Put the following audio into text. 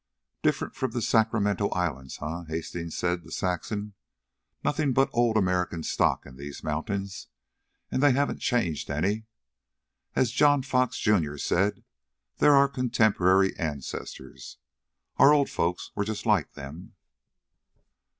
"Different from the Sacramento islands, eh?" Hastings said to Saxon. "Nothing but old American stock in these mountains. And they haven't changed any. As John Fox, Jr., said, they're our contemporary ancestors. Our old folks were just like them."